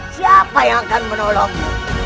siapa yang akan menolongmu